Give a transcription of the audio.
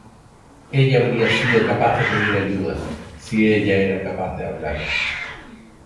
Ella habría sido capaz de pedir ayuda si ella era capaz de hablar.